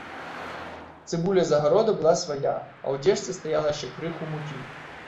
Цыбуля з агарода была свая, а ў дзежцы стаяла яшчэ крыху мукі.